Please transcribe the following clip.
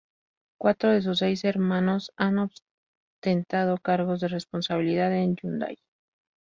Cuatro de sus seis hermanos han ostentado cargos de responsabilidad en Hyundai.